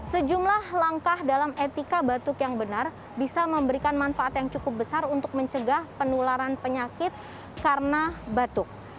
sejumlah langkah dalam etika batuk yang benar bisa memberikan manfaat yang cukup besar untuk mencegah penularan penyakit karena batuk